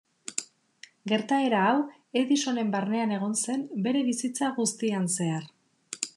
Gertaera hau Edisonen barnean egon zen bere bizitza guztian zehar.